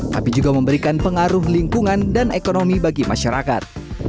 tapi juga memberikan pengaruh lingkungan dan ekonomi bagi masyarakat